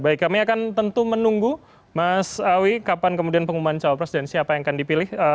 baik kami akan tentu menunggu mas awi kapan kemudian pengumuman cawapres dan siapa yang akan dipilih